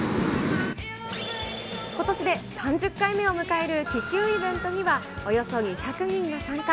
ことしで３０回目を迎える気球イベントにはおよそ２００人が参加。